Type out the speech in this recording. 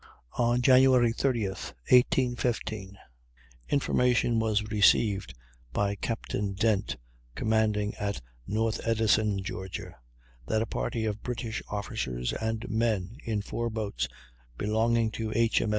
On Jan. 30, 1815, information was received by Captain Dent, commanding at North Edisto, Ga., that a party of British officers and men, in four boats belonging to H.